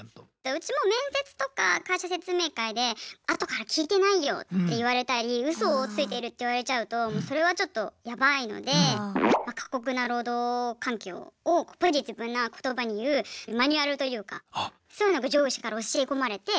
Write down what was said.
うちも面接とか会社説明会で後から聞いてないよって言われたりウソをついてるって言われちゃうとそれはちょっとヤバいので過酷な労働環境をポジティブな言葉に言うマニュアルというかそういうのが上司から教え込まれて。